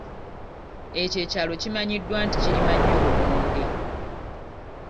Ekyo ekyalo kimanyiddwa nti kirima nnyo lumonde.